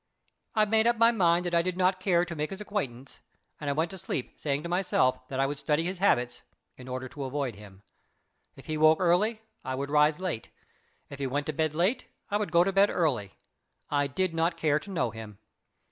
I made up my mind that I did not care to make his acquaintance, and I went to sleep saying to myself that I would study his habits in order to avoid him. If he rose early, I would rise late; if he went to bed late I would go to bed early. I did not care to know him.